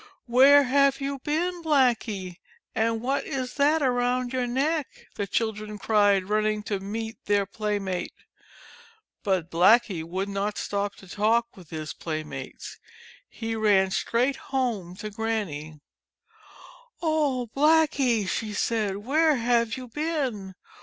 "Where have you been, Blackie ? And what is that around your neck?" the children cried, running to meet their playmate. 80 GRANNY'S BLACKIE But Blackie would not stop to talk with his play mates. He ran straight home to Granny. "Oh, Blackie !" she said, "Where have you been?